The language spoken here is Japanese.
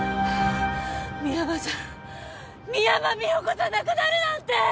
深山じゃ深山美保子じゃなくなるなんて！